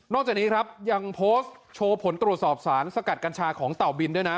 จากนี้ครับยังโพสต์โชว์ผลตรวจสอบสารสกัดกัญชาของเต่าบินด้วยนะ